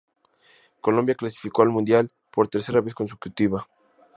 Colombia clasificó al Mundial por tercera vez consecutiva.